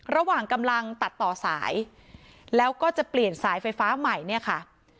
ระหว่างกำลังตัดต่อสายแล้วก็จะเปลี่ยนสายไฟฟ้าใหม่เนี่ยค่ะ